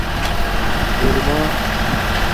خورمہ